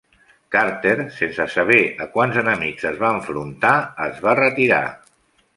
Carter, sense saber a quants enemics es va enfrontar, es va retirar.